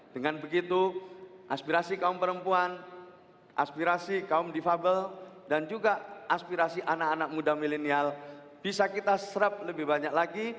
dengan begitu aspirasi kaum perempuan aspirasi kaum difabel dan juga aspirasi anak anak muda milenial bisa kita serap lebih banyak lagi